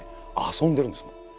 遊んでるんですもん。